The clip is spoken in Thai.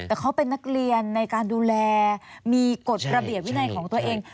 แต่เขาเป็นนักเรียนในการดูแลมีกฎระเบียบวินัยของตัวเอง